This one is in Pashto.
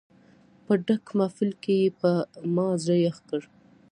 په ډک محفل کې یې په ما زړه یخ کړ.